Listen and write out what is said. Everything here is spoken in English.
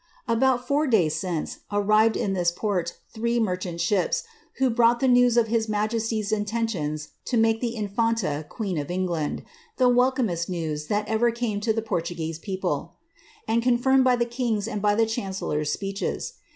^ About four days since arrived in this ee merchant ships, who brought the news of his majesty's inten make the infanta queen of England (the welcomest news that ne to the Portuguese people), and confirmed by the king's and chancellor's speeches.